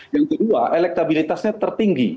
yang kedua elektabilitasnya tertinggi